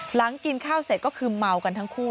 หลังกินข้าวเสร็จก็คือเมากันทั้งคู่